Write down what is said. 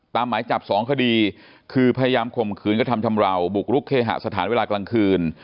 หมายจับ๒คดีคือพยายามข่มขืนกระทำชำราวบุกรุกเคหสถานเวลากลางคืน